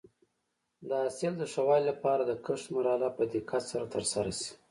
د حاصل د ښه والي لپاره د کښت مرحله په دقت سره ترسره شي.